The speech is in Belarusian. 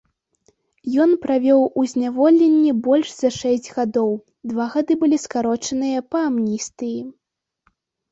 Ён правёў у зняволенні больш за шэсць гадоў, два гады былі скарочаныя па амністыі.